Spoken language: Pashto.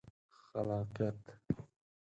خلاقیت